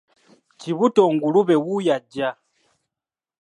Kibuto ngulube wuuyo ajja!